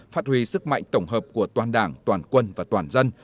phát huy sức mạnh tổng hợp của toàn đảng toàn quân và toàn dân